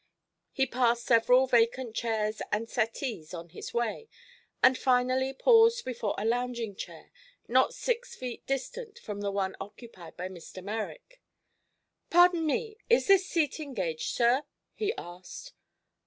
He passed several vacant chairs and settees on his way and finally paused before a lounging chair not six feet distant from the one occupied by Mr. Merrick. "Pardon me; is this seat engaged, sir?" he asked.